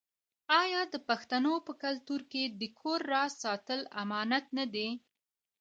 آیا د پښتنو په کلتور کې د کور راز ساتل امانت نه دی؟